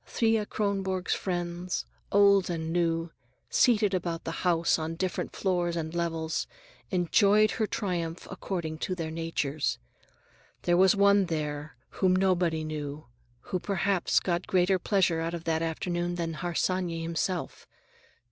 Thea Kronborg's friends, old and new, seated about the house on different floors and levels, enjoyed her triumph according to their natures. There was one there, whom nobody knew, who perhaps got greater pleasure out of that afternoon than Harsanyi himself.